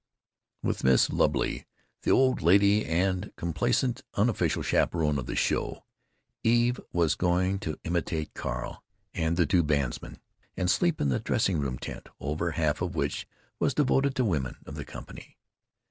With Mrs. Lubley, the old lady and complacent unofficial chaperon of the show, Eve was going to imitate Carl and the two bandsmen, and sleep in the dressing room tent, over half of which was devoted to the women of the company.